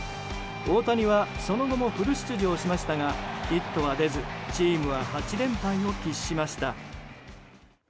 大谷はその後もフル出場しましたがヒットは出ずチームは８連敗を喫しました。